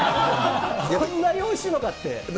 こんなにおいしいのかって。